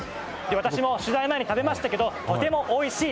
私も取材前に食べましたけどとてもおいしい！